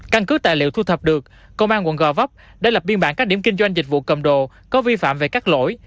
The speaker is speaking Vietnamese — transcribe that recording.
căn cứ tài liệu thu thập được công an quận gò vấp đã lập biên bản các điểm kinh doanh dịch vụ cầm đồ có vi phạm về các lỗi